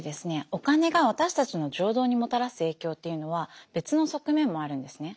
お金が私たちの情動にもたらす影響っていうのは別の側面もあるんですね。